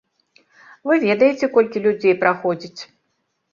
Вы ведаеце, колькі людзей праходзіць.